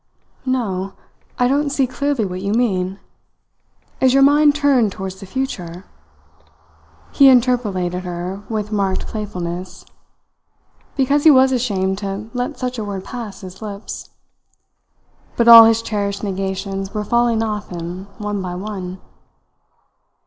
"No! I don't see clearly what you mean. Is your mind turned towards the future?" he interpellated her with marked playfulness, because he was ashamed to let such a word pass his lips. But all his cherished negations were falling off him one by one.